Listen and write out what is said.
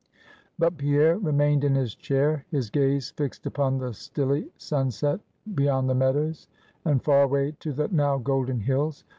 But Pierre remained in his chair; his gaze fixed upon the stilly sunset beyond the meadows, and far away to the now golden hills.